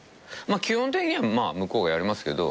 基本的には向こうがやりますけど。